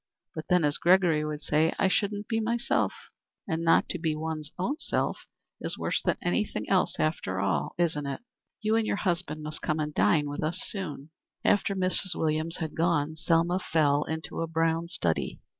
But then, as Gregory would say, I shouldn't be myself, and not to be one's self is worse than anything else after all, isn't it? You and your husband must come and dine with us soon." After Mrs. Williams had gone, Selma fell into a brown study.